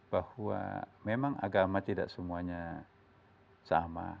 bahwa memang agama tidak semuanya sama